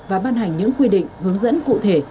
và ban hành những quy định hướng dẫn cụ thể